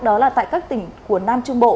đó là tại các tỉnh của nam trung bộ